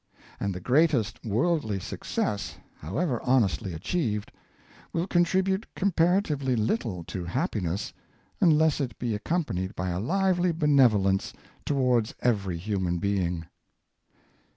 And the greatest worldly success, however honestly achieved, will con tribute comparatively little to happiness unless it be ac companied by a lively benevolence towards every human being.